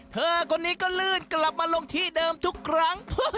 เธอคนนี้ก็ลื่นกลับมาลงที่เดิมทุกครั้ง